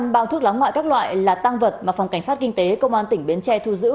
sáu bốn trăm linh bao thước láng ngoại các loại là tăng vật mà phòng cảnh sát kinh tế công an tp sóc trăng thu giữ